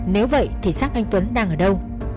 nếu vậy thì sát anh tuấn đang ở đâu